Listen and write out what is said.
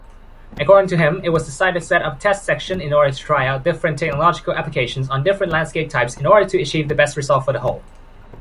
According to him, it was decided to set up a test section in order to try out different technological applications on different landscape types in order to achieve the best result for the whole.